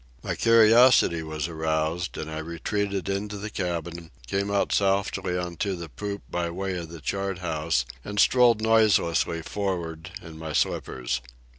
My curiosity was aroused, and I retreated into the cabin, came out softly on to the poop by way of the chart house, and strolled noiselessly for'ard in my slippers.